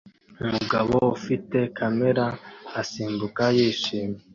Umugabo ufite kamera asimbuka yishimye